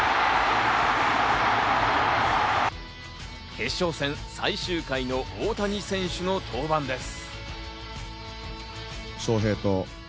決勝戦、最終回の大谷選手の登板です。